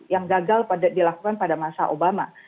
yang gagal dilakukan pada masa obama